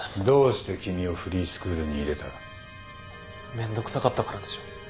めんどくさかったからでしょ。